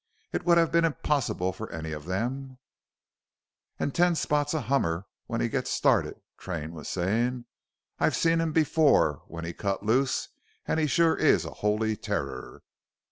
It would have been impossible for any of them "An' Ten Spot's a hummer when he gits started," Train was saying. "I've seen him before when he cut loose an' he sure is a holy terror!"